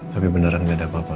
tapi beneran gak ada apa apa